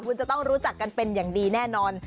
คุณจะต้องรู้จักกันเป็นอย่างดีแน่นอน